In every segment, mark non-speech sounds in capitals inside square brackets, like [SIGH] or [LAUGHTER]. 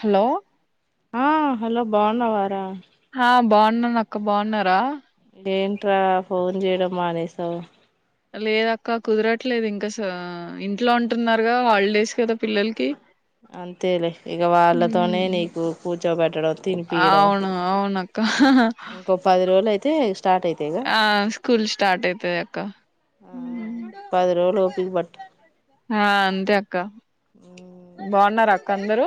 Hello ఆ hello బావున్నావారా. ఆ బావున్నాను అక్క బావున్నారా. ఏంట్రా ఫోన్ చేయడం మానేసావ్. లేదు అక్క కుదరట్లేదు ఇంకా స ఇంట్లో ఉంటున్నారుగా, హాలిడేస్ కదా పిల్లల్కి. అంతేలే ఇగా వాళ్ళతోనే నీకు కూర్చో పెట్టడం, తినిపియ్యాడం అవును అవునక్క ఇంకో పది రోజులు అయితే స్క్ ఆ స్కూల్ స్టార్ట్ అయితాది అక్క. ఆ పది రోజులు ఓపిక పట్టు ఆ అంతే అక్క, బావున్నారా అక్క అందరు.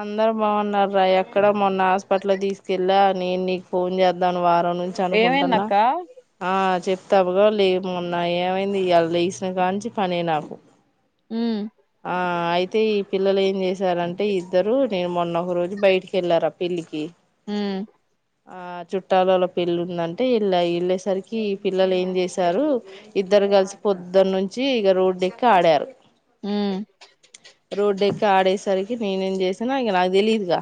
అందరు బాగున్నారు రా, ఎక్కడ మొన్న హాస్పిటల్ దిస్కెళ్ళా, నేను నీకు ఫోన్ చేద్దాను వారం నుంచి అనుకుంటున్నా, ఏమైందక్క ఆ చెప్ తవ్గా లేమో ఉన్నాయి, ఏమైంది ఇయాలా లేసిన కాంనుంచి పనే నాకు. ఉమ్ ఆ అయితే ఈ పిల్లలు ఏం చేసారంటే ఇద్దరు నేను మొన్న ఒక రోజు బయటికి ఎళ్ళారా పెళ్లికి. ఉమ్ ఆ చుట్టాలోల పెళ్ళి ఉందంటే ఎల్లా, ఎళ్ళేసరికి ఈ పిల్లలు ఏం చేసారు ఇద్ద ఇద్దరు గల్సి పొద్దున్నుంచి ఇగా రోడ్డు ఎక్కి ఆడారు. ఉమ్ ఇగ ఆడేసరికి నేను ఏం చేసాను ఇగా నాకు తెలీదుగా,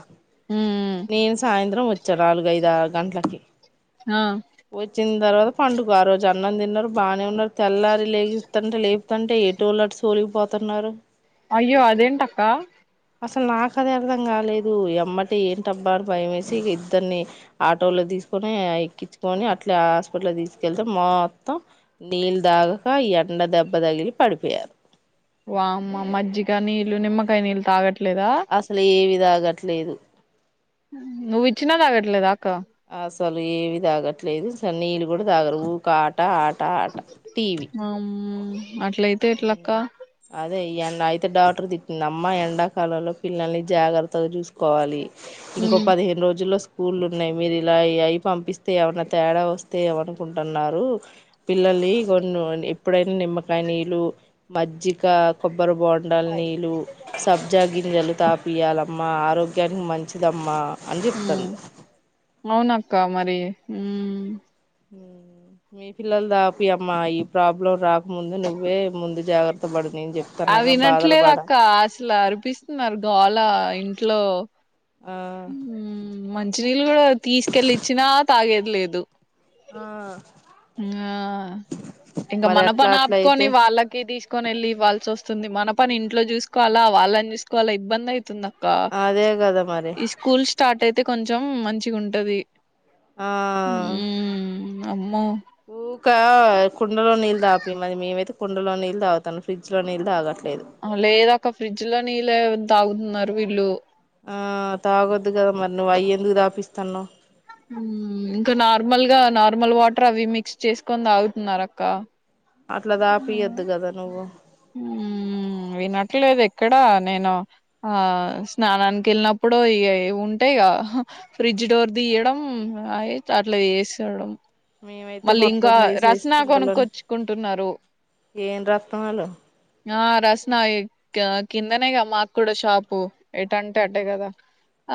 ఉమ్ నేను సాయంత్రం వచ్ చ్చ నాలుగు, ఐదు, ఆరు గంటలకి. ఆ ఒచ్చింద్ తర్వాత పండుగ, ఆ రోజు అన్నం తిన్నారు బానే ఉన్నారు తెల్లారి లేగిస్తంటే లే తంటే ఎటోలటు సొలిగిపోతున్నారు. అయ్యో అదేంటక్క. అసలు నాకు అదే అర్థం కాలేదు, ఎమ్మటె ఏంటిబ్బా అని భయం వేసి ఇగా ఇద్దరిని ఆటోలో ది దిస్కొని ఎక్కించుకొని, అట్లా హాస్పిటల్ దిస్కెళ్తే మొత్తం నీళ్ళు తాగక ఎ ఎండ దెబ్బ తగిలి పడిపోయారు. వామ్మో మజ్జిగా, నీళ్లు, నిమ్మకాయ నీళ్లు తాగట్ అసల్ ఏవి తాగట్లేదు. నువ్వీచ్చిన తాగట్లేదా అక్క. అసలు ఏవి తాగట్లేదు, అసలు నీళ్ళు కూడా తాగరు, ఊకా ఆట ఆట ఆట, టీవీ వామ్మో అట్లయితే ఎట్లా అక్క. ఇయ్యన అయితే డాక్టర్ తిట్టింది, అమ్మ ఎండాకాలంలో పిల్లల్ని జాగ్రత్తగా జుస్కోవాలి. ఇంకో ఉమ్ పదిహేను రోజుల్లో స్క్ స్కూల్ ఉన్నాయి, మీరు ఇలా అయ్యి అయ్యి పంపిస్తే ఏమైన్నా తేడా వస్తే, ఎం అనుకుంటున్నారు. పిల్లల్ నీ కొన్ని [UNINTELLIGIBLE] ఇప్పుడైన నిమ్మకాయ నీళ్లు, మజ్జిగ కొ కొబ్బరి బోండాల్ నీళ్ళు సబ్జా గింజలు తాపియాల మా ఆరోగ్యానికి మంచిదమ్మా అని చెప్తాతాండు మౌనక్క మరి మీ పిల్లలు దాపియమ్మ ఈ ప్రాబ్లం రాకు ముందు నువ్వే ముందు జాగ్రత్త పడు నేను అవి చెప్తాన్నాగా బాధలు వినట్లేదు పడా వాళ్ళయ్ ఇంట్లో ఆ మ్మ్ మంచినీళ్ళు కూడా తీసుకెళ్లిచ్చినా తాగేది లేదు ఆ ఇంగా ఇంకా మరి మన అట్లా పని అట్లా ఆపుకొని అయితే వాళ్ళకి తీసుకు కొని ఇవ్వాల్సి వస్తుంది మన పని ఇంట్లో చూసుకోవాల్ల వాళ్ళని చూసుకోవల్ల ఇబ్బంది అయితుందా అదే కదా మరి ఈ స్కూల్ స్టార్ట్ అయితే కొంచెం మంచిగా ఉంటాది ఆ అమ్మో ఊకా కుండలో నీళ్ళు తాపి మీము అయితే కుండలో నీళ్ళు తాగతాన్నం ఫ్రిజ్ లో నీళ్ళు తాగ లేద అక్క ఫ్రిడ్జ్ లో నీళ్ళే తాగుతున్నారు వీళ్ళు ఆ తాగొద్దు కదా మరి నువ్వు అయి ఎందుకు తాపిస్తాన్నావు మ్మ్ ఇంకా నార్మల్ గా నార్మల్ వాటర్ అవి మిక్స్ చేసుకొని తాగుతున్నారు అక్క అట్లా తాపియద్దు కదా నువ్వు మ్మ్ వినట్లేదు ఎక్కడ నేను ఆ స్నానానికి వెళ్ళినప్పుడు ఇ య ఉ ఉంటే ఇగా ఫ్రిడ్జ్ డోర్ తీయడం అవి అట్లా ఏసెయ్యడం మేమైతే మళ్ళీ మొత్తం ఇంకా తీసేసి రస్నా కుండలోని కొనుక్కొచ్చుకుంటున్నారు ఏం రత్నల్లో ఆ రస్నా కిందనే కదా మాకు కూడా షాపు ఎటంటే అటే కదా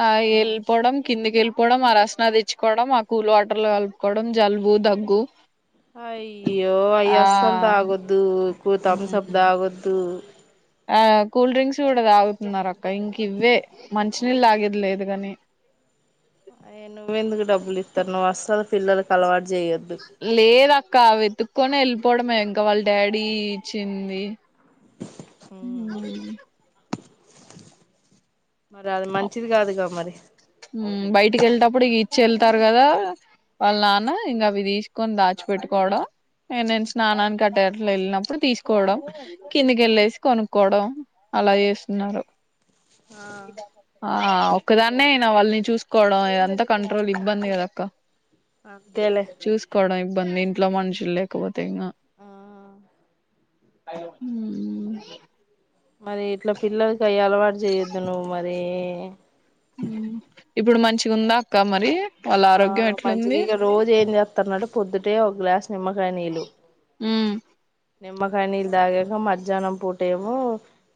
ఆ ఏల్పొవడం కిందికి వెళ్ళిపోవడం ఆ రస్నా తెచ్చుకోవడం ఆ కూల్ వాటర్ లో కలుపుకోవడం జలుబు దగ్గు అయ్యో అయి ఆ అసలు తాగొద్దు ఎక్కవ థామ్సప్ ఉహుహు. తాగొద్దు ఆ కూల్ డ్రింక్స్ కూడా తాగుతున్నారు అక్క ఇంకా ఇవ్వే మంచినీళ్ళు తాగేది లేదు కాని అయే నువ్వెందుకు డబ్బులు ఇత్తన్నవ్ అసలు పిల్లొల్లకి అలవాటు చేయొద్దు లేద అక్క వెతుక్కొని వెళ్ళిపోవడమే ఇంకా వాళ్ళ డాడీ ఇచ్చింది మ్మ్ మరి అది ఉమ్. మంచిది కాదుగా మరి బయటికి వెళ్ళెతప్పుడు ఇగ ఇచ్చి వెళ్తారు కదా వాళ్ళ నాన్న ఇంకా అవి తీసుకొని దాచిపెట్టుకోవడం నేను స్నానానికి అటెట్లా వెళ్ళినప్పుడు తీసుకోవడం కిందికి వెళ్ళేసి కొనుక్కోవడం అలా చేస్తున్నారు ఆ ఆ ఒకదాన్నే వాళ్ళని చూసుకోవడం ఇగ అంతా కంట్రోల్ ఇబ్బంది కదా అక్క అంతేలే ఇబ్బందే ఇంట్లో మనుషులు లేకపోతే ఇంకా ఆ మ్మ్ మరి ఇట్లా పిల్లోల్లకి అయి అలవాటు చేయొద్దు నువ్వు మరి మ్మ్ ఇప్పుడు మంచిగా ఉందా అక్క మరి వాళ్ళ ఆ ఆరోగ్యం మంచిగా ఎట్లుంది ఇక రోజు ఏం చేత్తన్నాడు పొద్దుటే ఒక గ్లాస్ నిమ్మకాయ నీళ్ళు. ఉమ్ నిమ్మకాయ నీళ్లు తాగాక మధ్యాహ్నం పూటేమో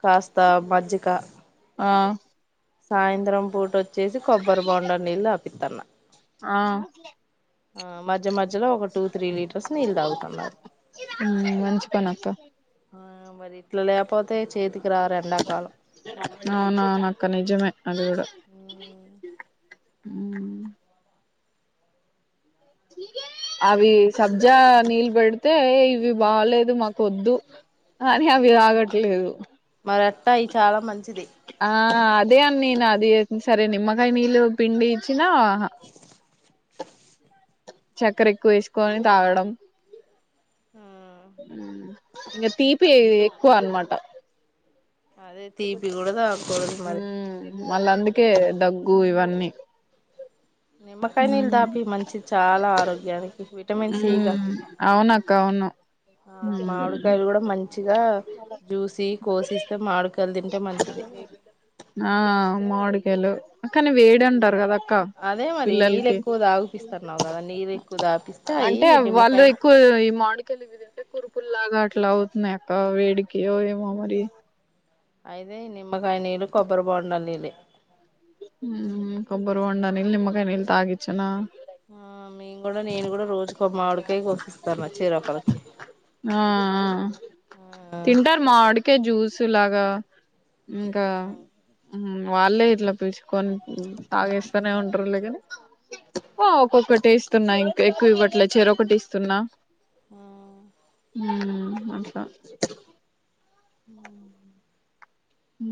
కాస్త మజ్జిక ఆ సాయంత్రం పూట వొచ్చేసి కొబ్బరి బొండ నీళ్ళు తాపీత్తన్న. ఆ ఆ మజ్య మజ్యలో ఒక టూ త్రీ లీటర్స్ నీళ్ళు తాగతన్నారు. మంచి పనక్కా ఆ మరి ఇట్లా ల్యాపో అవునవునాక్క నిజ్ నిజమే అది కూడా [INAUDIBLE] అవి సబ్జా నీళ్ళు పెడితే ఇవి బాలేదు మాకు వొద్దు అని అవి ఆగట్లేదు రత్తాయి చాలా మంచిది ఆ అదే అని నేను అది సరే నిమ్మకాయ నీళ్ళు పిండి ఇచ్చినా చక్కెర ఎక్కువ వేసుకొని తాగడం ఆ ఉ ఇంగా తీపి ఎక్కువ అనమాట అదే తీపి కూడా తాకూడదు మరి మళ్ళా అందుకే దగ్గు ఇవన్నీ నిమ్మకాయ నీళ్ళు ఉమ్ దాపి మంచిది చాలా ఆరోగ్యానికి విటమిన్ సిగా. అవునక్క అవును ఆ మామిడికాయలు కూడా మంచిగా జూసి కోసిస్తే మామిడికాయలు తింటే మంచిది. ఆ మూడికేలు కాని వేడి అంటారు కదా అక్క అదే మరి అది నీళ్ళు పిల్లలకి ఎక్కువ తాగిపిస్తన్నావ్ కదా నీరు ఎక్కువ తాపిస్తే అయి నిమ్మకాయ్ ఇదేంటే కురుపులాగా అట్లా అవుతున్నాయి అక్క వేడికి ఏమో మరి. అయితే నిమ్మకాయ నీళ్లు కొబ్బరి బొండా నీళ్లే ఉ హు కొబ్బరి బొండ నీల్ నిమ్మకాయ్ నీల్ తాగిచ్చనా. ఆ మేము కూడా నేను కూడా రోజుకు ఆ ఆ ఆ తింటారు మామిడికాయి జ్యూసులాగా ఇంకా ఆ వాళ్ళే ఇట్లా పిల్చుకొని ఉ తాగేస్తానే ఉంటారులే కని ఓ ఒక్కొక్క టేస్ట్ వున్నాయి ఇంకా ఎక్కువ ఇవ్వట్లే చెరోకటి ఇస్తున్నా అట్లా ఉ ఉ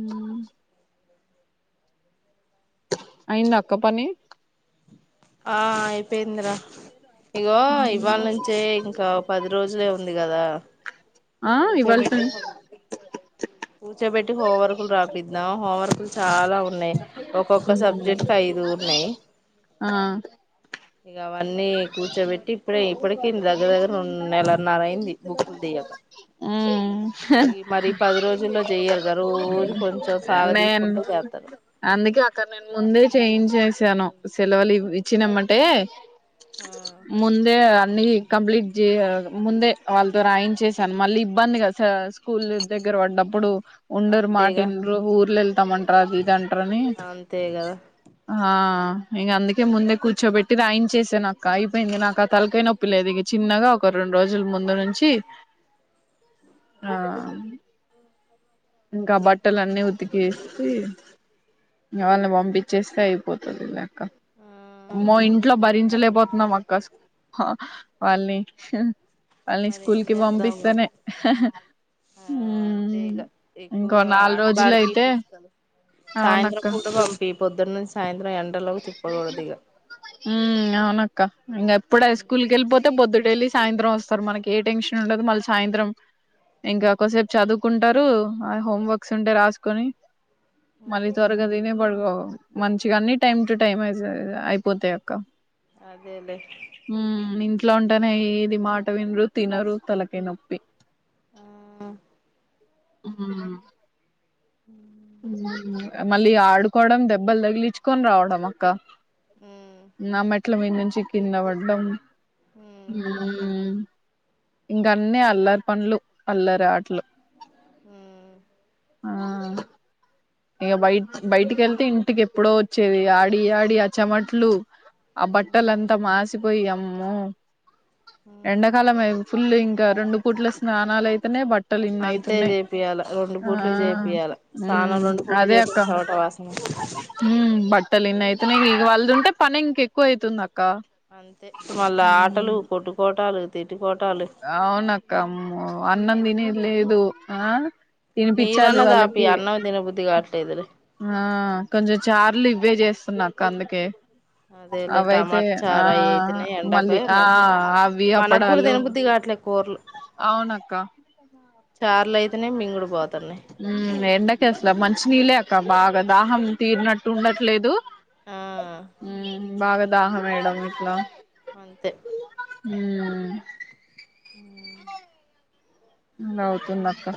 అయిందక్కా పని ఆ అయిప్ ఉపేంద్ర ఇగో ఇవాళ ఉమ్. నుంచే ఇంకా పది రోజులే ఉంది కదా. ఆ ఇవాల్టీ కూర్చోబెట్టి ను కూర్చోబెట్టి హోమ్ వర్కులు రాపిద్దాం హోమ్ వర్కులు చాలా ఉన్నాయి, ఒక్కొక్క సబ్జెక్ట్కి ఐదు వున్నాయ్ ఆ అన్నీ కూర్చోబెట్టి ఇప్పుడే ఇప్పటికే దగ్గర దగ్గర రెండు నెలన్నర అయింది బుక్కులు తీయకా. ఉ రోజుల్లో చెయ్యరుగా రోజు కొంచెం సాగ నేన్ తీసుకుంటే చేస్తారు అందుకే అక్కడ నేను ముందే చేంజ్ చేసాను సెలవులు ఇచ్చినమంటే ఆ ముందే అన్ని కంప్లీట్ చే ముందే వాళ్ళతో రాయి చేశాను మళ్ళీ ఇబ్బందిగా స్కూల్ నుంచి దగరా పడ్డప్పుడు ఉండరు అంతేగా మాటిండరు ఊర్లు వెళ్తామంటారు అది ఇది అంటార అని అంతే కదా ఆ ఇంక అందుకే ముందే కూర్చోబెట్టి రాయించేసా నాకు ఇం అయిపోయింది నాకు ఆ తలకనొప్పి లేదు ఇక చిన్నగా ఒక రెండు రోజుల ముందు నుంచి ఆ ఇంకా బట్టలు అన్నీ ఉతికేస్త వాళ్లని పంపించేస్తే అయిపోతుది ఇంక ఆ ఆమ్మో ఇంట్లో భరించలేపోతు న్నా అక్క వాళ్ళని వాళ్ళని మరి స్కూల్ ఏం కి చేద్దాం మరి పంపిస్తేనే ఆ అంతే ఇక ఎక్కువ ఇంకో నాలుగు ఆటలు రోజులు ఆడిపి అయితే ఫిజికల్ సాయంత్రం అవునక్క పూడు పంపి పొద్దున్న నుంచి సాయంత్రం ఎండలోకి తిప్పకూడదు ఇక ఉ అవునక్క ఇంక ఎప్పుడు స్కూల్కి వెళ్ళిపోతే పొద్దుట వెళ్లిసి సాయంత్రం వస్తారు మనకి ఏ టెన్షన్ ఉండదు మళ్ళీ సాయంత్రం ఇంకాక్కసేపు చదువుకుంటారు ఆ హోం వర్క్స్ ఉంటే రాసుకొని మళ్ళీ త్వరగా తిని పడుకో మంచిగా అన్ని టైమ్ టు టైమ్ అయిపోతాయి అక్క అదేలే ఉమ్ ఇంట్లో ఉంటేనే ఇది మాట వినరు తినరు తలకే నొప్పి ఆ ఆ మళ్ళీ ఆడుకోవడం దెబ్బలు తగిలించుకొని రావడం అక్క నా మెట్టెలు మీదా నుంచి కింద పడ్డం ఉమ్మ్ ఇంగ అన్నీ అల్లరి పనులు అల్లరి ఆట్లు ఆ ఇక బయ బయటికి వెళ్తే ఇంటికి ఎప్పుడో వచ్చేది ఆడి ఆడి అ చెమట్లు ఆ బట్టలంతా మాసిపోయి ఆమ్మో ఎండాకాలం ఫుల్ ఇంకా రెండు పూట్ల స్నానాలు అయితేనే బట్ బట్టలు ఇన్ని అంతే అయితున్నాయి చేపియాల రెండు ఆ పూట్లు చేపియాల స్నానం ఉమ్ రెండు పూట్లు అదే అక్క చేపించి చెమట వాసన ఉమ్ బట్టలున్న అయితున్నాయి ఈ వళ్దుంటే పని ఇంకెక్కువ అవుతుంది అ అంతే మళ్ళా ఆటలు కొట్టుకోటాలు తిట్టుకోటాలు అవున అక్క ఆమో అన్నం తినేది లేదు ఆ తినిపించాలి నీళ్ళన్నా తాపి వాళ్ళకి అన్నం తినబుద్ధి కావట్లేదులే ఆ కొంచెం చార్లు ఇవ్వే చేస్తున్నా అక్క అందుకే అదే లే అవైతే టమాటర్ ఆ చారా అయితేనే ఎండక మళ్ళీ ఆ మ అవి మనకు కూడా దేను బుద్ధిగాట్ అట్లే కుర్లు అవును అక్క చార్లయితే ఎండక అసలే మంచిషినీళ్ళ ఇంకా బాగా దాహం తీరినట్టు ఉండట్లేదు ఆ ఉ బాగా దాహమేయడం ఇట్లా అంతే ఉమ్ ఉమ్ ఇంగ అవుతుందక్క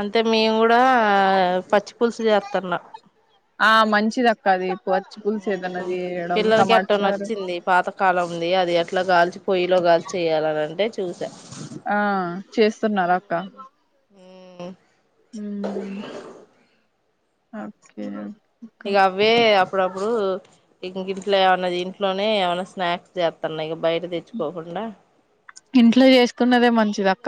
అంటే మేము గూడా పచ్చి పులుసు జేత్తున్నా ఆ మంచిదక్క అది పచ్చి పులుసు ఏదన్నా ఉమ్ చేయడం పిల్లలకి టమాట అట్ట చారు నచ్చింది పాతకాలంది అది ఎట్లా గాల్చి పొయ్యిలో గాలిచి చేయాలనంటే చూసాం ఆ చేస్తున్నారా అక్క ఉమ్ ఓకే ఇగ అవ్వే ఇప్పుడప్పుడు ఇం ఇంట్లో ఏవన్నా ఇంట్లోనే ఏవన్నా స్నాక్స్ జేత్తన్నా ఇగ బయట తెచ్చుకోకుండా ఇంట్లో జేసుకున్నదే మంచిది అక్క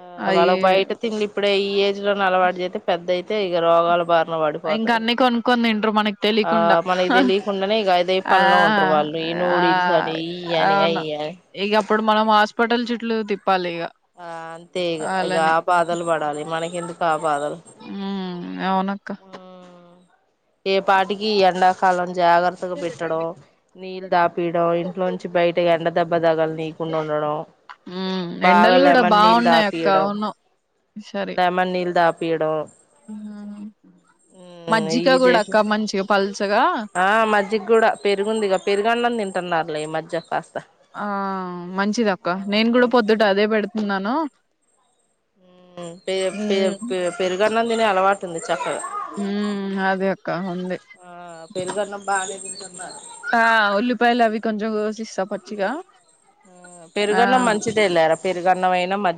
ఆ అవి వాళ్ళకి బయట తిండి ఇప్పుడే ఈ ఏజ్ లోనే అలవాటు జేతే పెద్దయితే ఇగ రోగాల బార ఇంకా పడిపోతారు అన్ని కొనుక్కొని తింటారు మనకి ఆ తెలియకుండా మనకి దెలియకుండానే ఇగ అదే ఆ పనిలో ఉంటారు వాళ్ళు ఈ నూడిల్స్ అని ఈయ్యని అయ్యని ఇగ అప్పుడు మనం హాస్పిటల్ చు ఆ అంతే ఇగ ఇగ అలానే ఆ బాధలు పడాలి మనకి ఎందుకు ఆ బాధలు అవునక్క ఏ పాటికి ఈ ఎండాకాలం జాగ్రత్తగా పెట్టడం నీళ్లు తాపీయడం ఇంట్లో నుంచి బయట ఎండ దెబ్బ దగల నీకుం ఉండడం ఉమ్ ఎండలు బాగా కూడా లెమన్ నీళ్ళు బాగున్నాయి అక్క దాపియడం అవును సరే లెమన్ నీళ్ళు దాపియడం ఉమ్ మజ్జిగ ఈ కూడా జేపి అక్క మంచిగా పల్చగా ఆ మజ్జిగ గూడా పెరుగుందిగా పెరుగన్నం దింటున్నారులే ఈ మధ్య కాస్త ఆ మంచిదక్క ఆ నేను గూడా పొద్దుట అదే బెడుతున్నాను ఉమ్ ఉమ్ పెరుగన్నం దినే అలవాటు ఉంది చక్కగా ఉమ్ అదే అక్క ఉందే ఆ పెరుగన్నం బానే తింటున్నారు ఆ ఉల్లిపాయల అవి కొంచెం కోసిస్తా పచ్చిగ పెరుగన్నం మంచిదేళ్లేరా పెరుగన్నం అయినా మ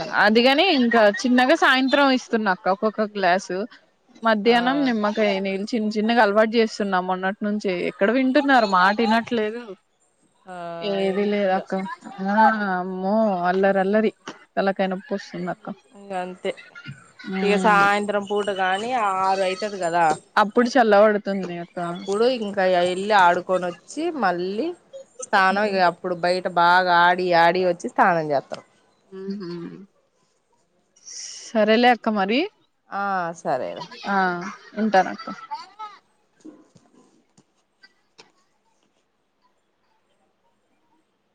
కంటే అదిగాని ఇంకా చిన్నగా సాయంత్రం ఇస్తున్నాక్క ఒక గ్లాసు ఆ మధ్యాహ్నం నిమ్మకాయ్ నీల్ చిన్న చిన్నగా అలవాటు జేస్తున్నా మొన్నటి నుంచే ఎక్కడ వింటున్నారు మాట ఇనట్లేదు ఆ ఏది విండ్రు ఇగ లేదక్క ఆ అమ్మో అల్లరల్లరి తలకాయనొ ప్పొస్తుంద ఇంగా అంతే ఇగ సాయంత్రం పూట గాని ఆరు అయితది గదా అప్పుడు చల్లబడుతుంది అక్క అప్పుడు ఇంకా యెళ్ళి ఆడుకొని వ చ్చి మళ్ళీ స్నానం ఇగ అప్పుడు బయట బాగా ఆడి ఆడి వచ్చి స్నానం జేత్తరు ఉమ్ హు సరేలే అక్క మరి ఆ సరేరా ఉంటానక్కా